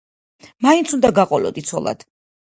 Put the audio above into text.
მაინც უნდა გაყოლოდი ცოლად.